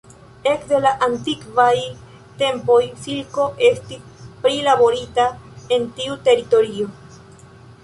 Ekde la antikvaj tempoj silko estis prilaborita en tiu teritorio.